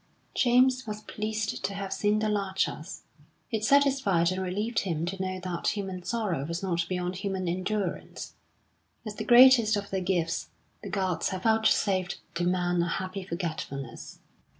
James was pleased to have seen the Larchers. It satisfied and relieved him to know that human sorrow was not beyond human endurance: as the greatest of their gifts, the gods have vouchsafed to man a happy forgetfulness.